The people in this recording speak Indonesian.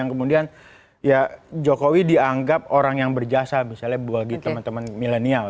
yang kemudian ya jokowi dianggap orang yang berjasa misalnya bagi teman teman milenial